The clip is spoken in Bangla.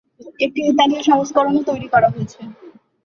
একটি ইতালীয় সংস্করণও তৈরি করা হয়েছে।